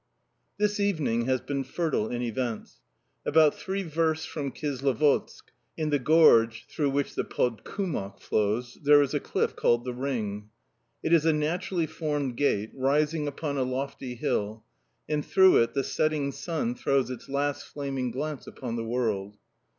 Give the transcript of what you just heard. THIS evening has been fertile in events. About three versts from Kislovodsk, in the gorge through which the Podkumok flows, there is a cliff called the Ring. It is a naturally formed gate, rising upon a lofty hill, and through it the setting sun throws its last flaming glance upon the world.